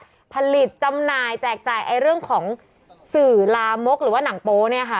ผลิตจำหน่ายแจกจ่ายเรื่องของสื่อลามกหรือว่าหนังโป๊เนี่ยค่ะ